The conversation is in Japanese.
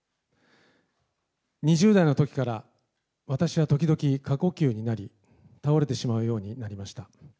２０代のときから私は時々過呼吸になり、倒れてしまうようになりました。